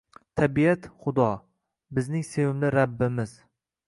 Tabiat - Xudo, bizning sevimli Rabbimiz